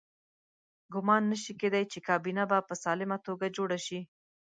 ګمان نه شي کېدای چې کابینه به په سالمه توګه جوړه شي.